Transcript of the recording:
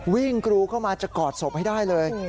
กรูเข้ามาจะกอดศพให้ได้เลย